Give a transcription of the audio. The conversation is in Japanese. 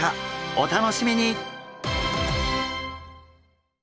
お楽しみに！